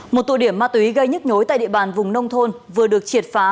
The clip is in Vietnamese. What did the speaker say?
một tụ điểm ma túy gây nhức nhối tại địa bàn vùng nông thôn vừa được triệt phá